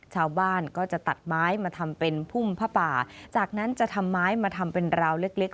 ชาวบ้านก็จะตัดไม้มาทำเป็นพุ่มผ้าป่าจากนั้นจะทำไม้มาทำเป็นราวเล็กเล็ก